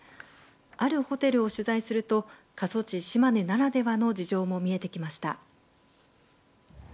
あるホテルを取材すると過疎地、島根ならではの事情も見えてきました。